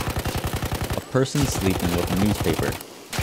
A person sleeping with a newspaper